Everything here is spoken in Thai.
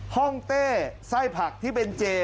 ห้องเต้ไส้ผักที่เป็นเจ